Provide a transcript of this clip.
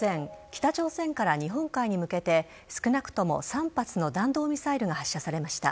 北朝鮮から日本海に向けて少なくとも３発の弾道ミサイルが発射されました。